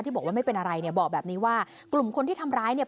บอกว่าไม่เป็นอะไรเนี่ยบอกแบบนี้ว่ากลุ่มคนที่ทำร้ายเนี่ย